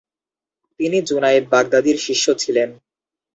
তিনি জুনায়েদ বাগদাদীর শিষ্য ছিলেন।